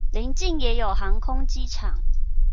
鄰近也有航空機場